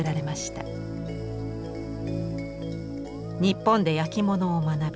日本で焼き物を学び